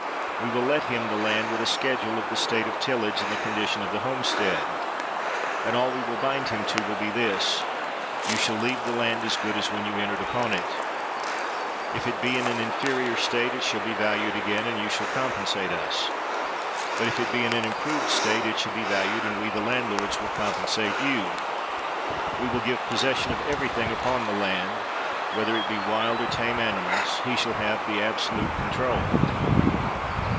We will let him the land, with a schedule of the state of tillage and the condition of the homestead, and all we will bind him to will be this :'' You shall leave the land as good as when you entered upon it. If it be in an inferior state it shall be valued again, and you shall compensate us ; but if it be in an improved state it shall be valued, and we, the landlords, will compensate you." We will give possession of everything upon the land, whether it be wild or tame animals ; he shall have the absolute con trol.